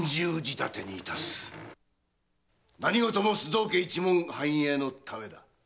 何事も須藤家一門の繁栄のためだ！